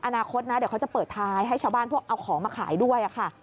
อนาคตนะเดี๋ยวเขาจะเปิดท้ายให้ชาวบ้านพวกเอาของมาขายด้วยค่ะ